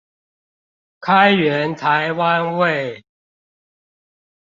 開源台灣味